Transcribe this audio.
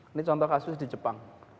ini contoh kasus di jepang